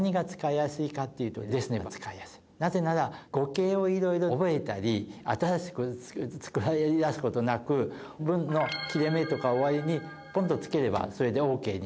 なぜなら語形を色々覚えたり新しく使いだすことなく文の切れ目とか終わりにポンとつければそれでＯＫに。